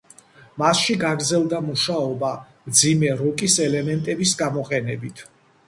მასში გაგრძელდა მუშაობა მძიმე როკის ელემენტების გამოყენებით.